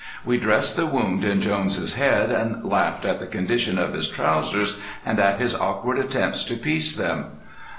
We dressed the wound in Jones' head and laughed at the condition of his trousers and at his awkward attempts to piece them.